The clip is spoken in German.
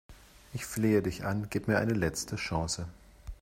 Ich flehe dich an, gib mir eine letzte Chance!